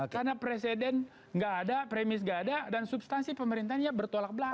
karena presiden nggak ada premis nggak ada dan substansi pemerintahnya bertolak belakang